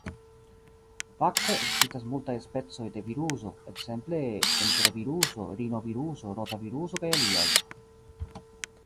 Fakte ekzistas multaj specoj de viruso, ekzemple enteroviruso, rinoviruso, rotaviruso kaj aliaj.